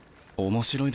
面白い。